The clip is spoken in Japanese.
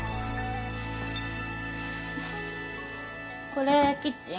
これキッチン？